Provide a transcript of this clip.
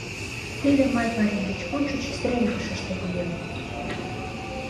Тиде Май пайрем деч ончыч стрельбищыште лийын.